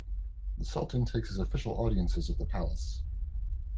The Sultan takes his official audiences at the palace.